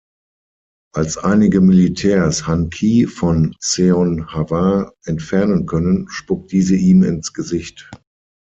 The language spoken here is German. Als einige Militärs Han-ki von Seon-hwa entfernen können, spuckt diese ihm ins Gesicht.